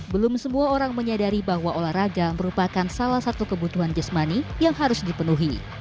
belum semua orang menyadari bahwa olahraga merupakan salah satu kebutuhan jasmani yang harus dipenuhi